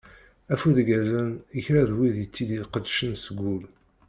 Afud igerzen i kra n wid d tid iqeddcen seg ul.